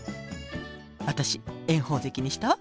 私炎鵬関にしたわ。